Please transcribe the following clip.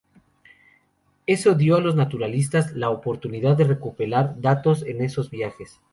Eso dio a los naturalistas la oportunidad de recopilar datos en esos viajes.